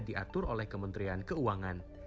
diatur oleh kementerian keuangan